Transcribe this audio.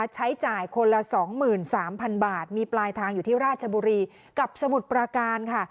ใช้จ่ายคนละ๒๓๐๐๐บาทมีปลายทางอยู่ที่ราชบุรีกับสมุทรปราการค่ะ